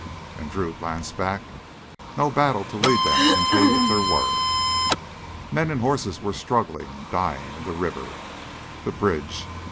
And Drew glanced back no battle to lead them into if there were. Men and horses were struggling, dying in the river. The bridge ...